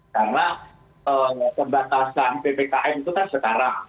karena kebatasan ppkm itu kan setara